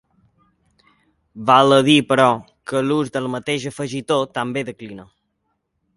Val a dir, però, que l'ús del mateix afegitó també declina.